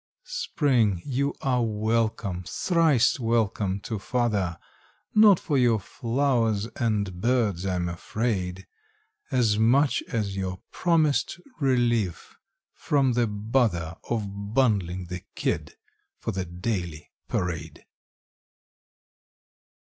Spring, you are welcome, thrice welcome to father; Not for your flowers and birds, I'm afraid, As much as your promised relief from the bother Of bundling the kid for the daily parade.